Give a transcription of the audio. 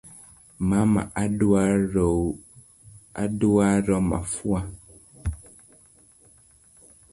Mama, aduaro mafua